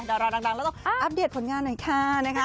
ดาราดังแล้วต้องอัปเดตผลงานหน่อยค่ะ